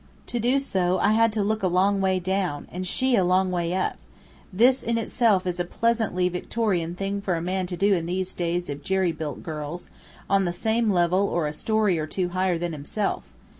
To do so, I had to look a long way down, and she a long way up. This in itself is a pleasantly Victorian thing for a man to do in these days of Jerrybuilt girls, on the same level or a story or two higher than himself.